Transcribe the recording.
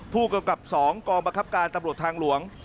ผู้กำกับ๒กองบังคับการตำรวจทางหลวง